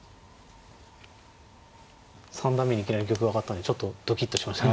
三段目にいきなり玉上がったんでちょっとドキッとしました。